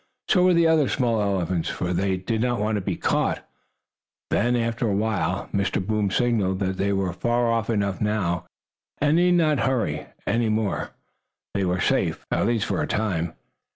So were the other small elephants, for they did not want to be caught. Then, after a while, Mr. Boom signaled that they were far enough off now, and need not hurry any more. They were safe, at least for a time.